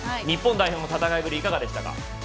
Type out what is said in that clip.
日本代表の戦いぶりいかがでしたか？